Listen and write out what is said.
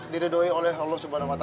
didoa oleh allah swt